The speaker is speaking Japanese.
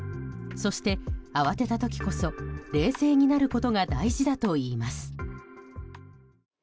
そして、慌てた時こそ冷静になることが大事だといいます。